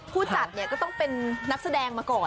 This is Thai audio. ผู้จัดเนี่ยก็ต้องเป็นนักแสดงมาก่อน